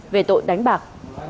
về tội đánh bạc